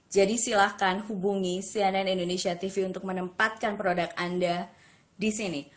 jadi silahkan hubungi cnn indonesia tv untuk menempatkan produk anda di sini